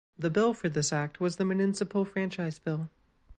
The Bill for this Act was the Municipal Franchise Bill.